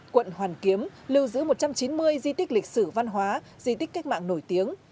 quận hoàn kiếm lưu giữ một trăm chín mươi di tích lịch sử văn hóa di tích cách mạng nổi tiếng